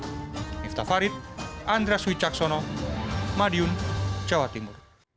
miftah farid andres wicaksono madiun jawa timur